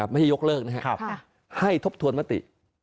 ไม่ให้ยกเลิกนะครับให้ทบทวนมติ